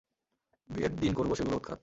বিয়ের দিন করব সেগুলো উৎখাত!